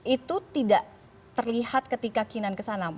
itu tidak terlihat ketika kinan kesana